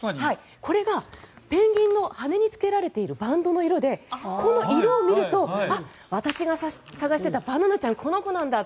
これがペンギンの羽につけられているバンドの色でこの色を見ると私が探していたバナナちゃんはこの子なんだ！